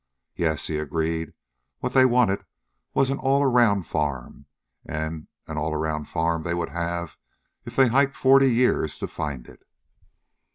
Yes, he agreed, what they wanted was an all around farm, and an all around farm they would have if they hiked forty years to find it.